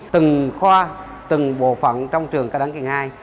từng khoa từng bộ phận trong trường cao đẳng kiện hai